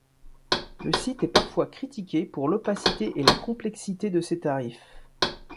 Le site est parfois critiqué pour l'opacité et la complexité de ses tarifs.